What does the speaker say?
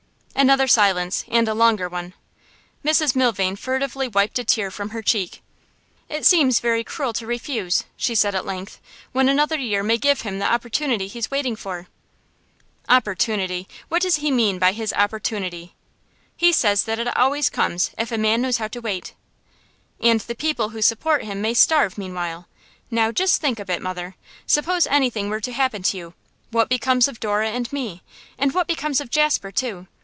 Another silence, and a longer one. Mrs Milvain furtively wiped a tear from her cheek. 'It seems very cruel to refuse,' she said at length, 'when another year may give him the opportunity he's waiting for.' 'Opportunity? What does he mean by his opportunity?' 'He says that it always comes, if a man knows how to wait.' 'And the people who support him may starve meanwhile! Now just think a bit, mother. Suppose anything were to happen to you, what becomes of Dora and me? And what becomes of Jasper, too?